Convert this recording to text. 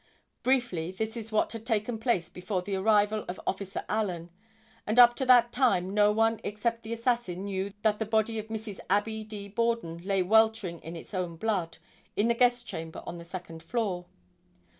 Briefly this is what had taken place before the arrival of officer Allen; and up to that time no one except the assassin knew that the body of Mrs. Abbie D. Borden lay weltering in its own blood, in the guest chamber on the second floor.